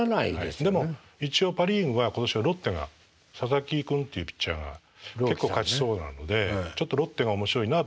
でも一応パ・リーグは今年はロッテが佐々木君っていうピッチャーが結構勝ちそうなのでちょっとロッテが面白いなと思います。